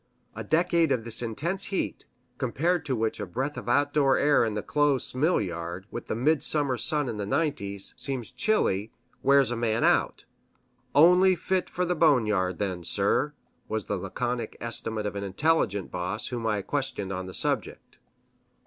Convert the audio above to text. A decade of this intense heat, compared to which a breath of outdoor air in the close mill yard, with the midsummer sun in the nineties, seems chilly, wears a man out "only fit for the boneyard then, sir," was the laconic estimate of an intelligent boss whom I questioned on the subject.